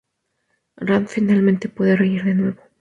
Rand finalmente puede reír de nuevo.